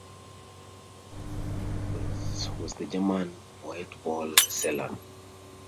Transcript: Another important influence was the German poet Paul Celan.